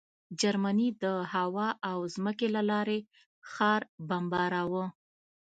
جرمني د هوا او ځمکې له لارې ښار بمباراوه